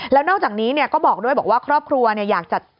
แล้วนอกจากนี้ก็บอกด้วยบอกว่าครอบครัวอยากจัด